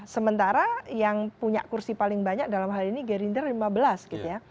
sementara yang punya kursi paling banyak dalam hal ini gerindra lima belas gitu ya